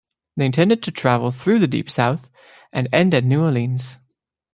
They intended to travel through the Deep South and end at New Orleans.